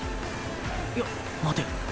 いや待てよ。